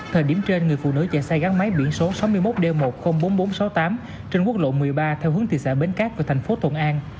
thời điểm trên người phụ nữ chạy xe gắn máy biển số sáu mươi một d một trăm linh bốn nghìn bốn trăm sáu mươi tám trên quốc lộ một mươi ba theo hướng thị xã bến cát và thành phố thuận an